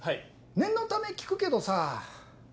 念のため聞くけどさ。